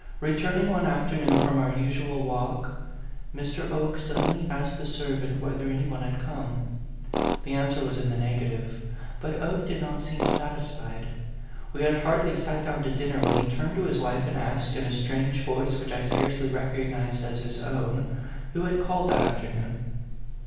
Returning one afternoon from our usual walk, Mr. Oke suddenly asked the servant whether any one had come. The answer was in the negative; but Oke did not seem satisfied. We had hardly sat down to dinner when he turned to his wife and asked, in a strange voice which I scarcely recognized as his own, who had called that afternoon.